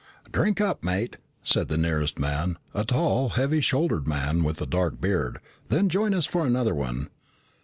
"Drink up, mate," said the nearest man, a tall, heavy shouldered man with a dark beard, "then join us in another one."